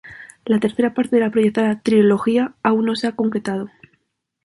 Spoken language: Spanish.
La tercera parte de la proyectada trilogía aún no se ha concretado.